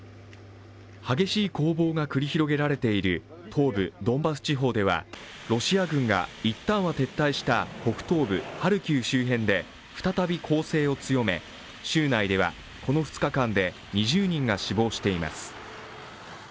激しい攻防が繰り広げられている東部ドンバス地方ではロシア軍がいったんは撤退した北東部ハルキウ周辺で再び攻勢を強め、州内ではこの２日間で２０人が死亡しています。